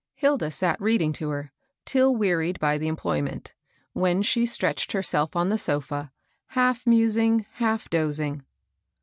Hilda sat reading to her, till wearied by the em ployment ; when she stretched herself on the so&» half musing, half dozing.